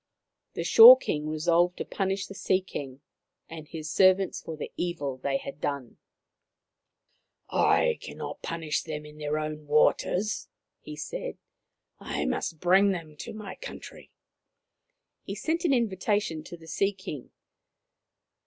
The Shore King resolved to punish the Sea King and his servants for the evil they had done. " I cannot punish them in their own waters," he said. " I must bring them to my country." He sent an invitation to the Sea King.